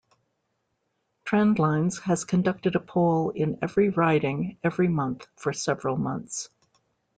Trendlines has conducted a poll in every riding every month for several months.